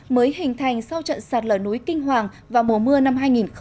mới hình thành sau trận sạt lở núi kinh hoàng vào mùa mưa năm hai nghìn một mươi chín